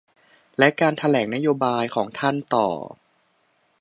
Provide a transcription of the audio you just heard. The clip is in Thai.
และการแถลงนโยบายของท่านต่อ